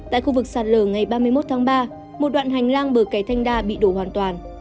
tại khu vực sạt lở ngày ba mươi một tháng ba một đoạn hành lang bờ kẻ thanh đa bị đổ hoàn toàn